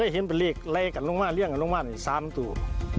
เห็นเป็นเลขไล่กับน้องม่านเลี่ยงกับน้องม่านสามตัว